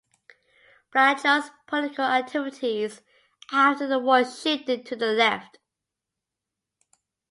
Blanchot's political activities after the war shifted to the left.